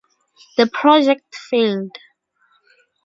The project failed.